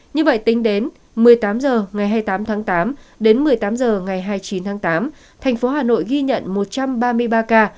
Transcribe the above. như vậy tính đến một mươi tám h ngày hai mươi tám tháng tám đến một mươi tám h ngày hai mươi chín tháng tám tp hcm ghi nhận một trăm ba mươi ba ca